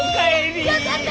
よかった！